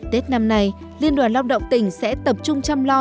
tết năm nay liên đoàn lao động tỉnh sẽ tập trung chăm lo